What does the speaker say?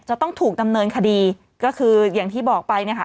ต้องถูกดำเนินคดีก็คืออย่างที่บอกไปเนี่ยค่ะ